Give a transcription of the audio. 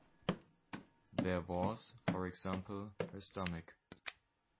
There was, for example, her stomach.